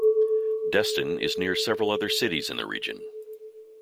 Destin is near several other cities in the region.